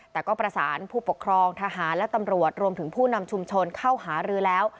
แต่ก็ประสานผู้ปกครองทหารและตำรวจรวมถึงผู้นำชุมชนเข้าหารือแล้ว